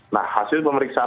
nah hasil pemeriksaan